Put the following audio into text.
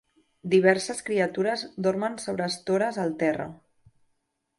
Diverses criatures dormen sobre estores al terra.